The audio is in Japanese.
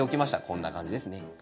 こんな感じですね。